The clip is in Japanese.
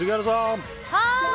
はい！